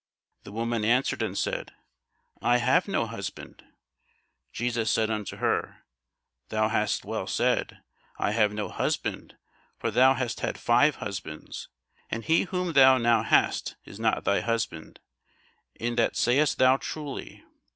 The woman answered and said, I have no husband. Jesus said unto her, Thou hast well said, I have no husband: for thou hast had five husbands; and he whom thou now hast is not thy husband: in that saidst thou truly.